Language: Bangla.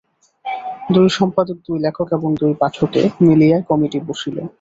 দুই সম্পাদক, দুই লেখক এবং দুই পাঠকে মিলিয়া কমিটি বসিল।